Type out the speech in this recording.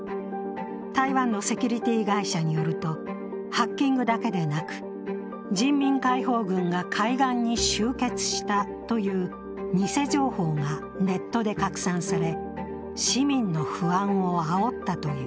台湾のセキュリティー会社によるとハッキングだけでなく人民解放軍が海岸に集結したという偽情報がネットで拡散され、市民の不安をあおったという。